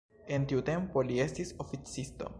En tiu tempo li estis oficisto.